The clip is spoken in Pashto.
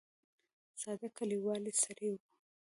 ساده کلیوالي سړی و.